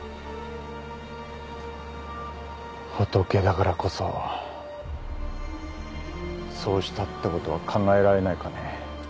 仏だからこそそうしたってことは考えられないかね。